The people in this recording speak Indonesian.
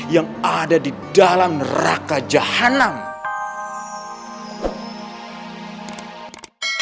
yang ada di dalam neraka jahanam